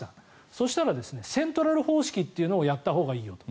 そうしたらセントラル方式をやったほうがいいよと。